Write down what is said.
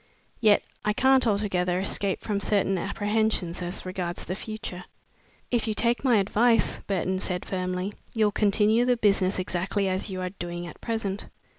Yet I can't altogether escape from certain apprehensions as regards the future." "If you take my advice," Burton said firmly, "you'll continue the business exactly as you are doing at present."